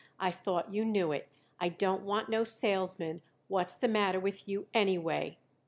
I thought you knew it. I don't want no salesman. What is the matter with you anyway?